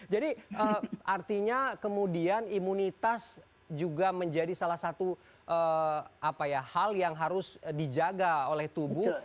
jadi artinya kemudian imunitas juga menjadi salah satu hal yang harus dijaga oleh tubuh